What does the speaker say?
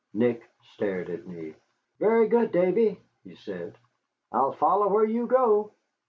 Nick stared at me. "Very good, Davy," he said; "I'll follow where you go."